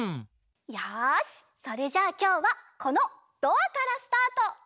よしそれじゃあきょうはこのドアからスタート。